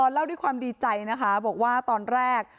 เล่าดิ่งความดีใจว่าตอนแรก